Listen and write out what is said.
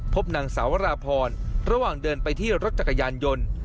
พบนางสาวราพรระหว่างเดินไปที่รถจักรยานยนต์